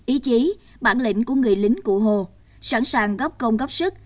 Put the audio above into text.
ý chí bản lĩnh của người lính cụ hồ sẵn sàng góp công góp sức